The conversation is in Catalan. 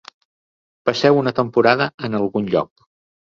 Passeu una temporada en algun lloc.